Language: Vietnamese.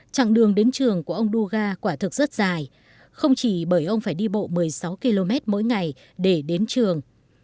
trạng đường đến trường của ông duga quả thực rất dài không chỉ bởi ông phải đi bộ một mươi sáu km mỗi ngày để đến trường